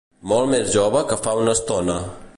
Molt més jove que fa una estona.